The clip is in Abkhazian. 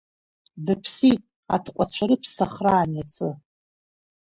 Дыԥсит, атҟәацәа рыԥсахраан Иацы?